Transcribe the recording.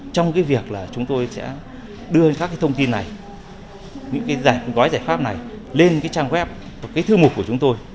trong việc chúng tôi sẽ đưa các thông tin này những gói giải pháp này lên trang web và thư mục của chúng tôi